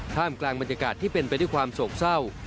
กลางบรรยากาศที่เป็นไปด้วยความโศกเศร้า